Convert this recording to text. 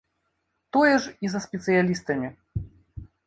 Тое ж і са спецыялістамі.